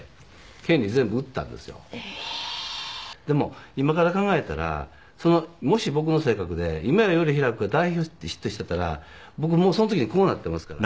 でも今から考えたらもし僕の性格で『夢は夜ひらく』が大ヒットしてたら僕もうその時にこうなってますから。